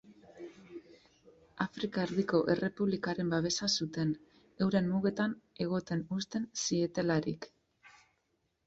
Afrika Erdiko Errepublikaren babesa zuten, euren mugetan egoten uzten zietelarik.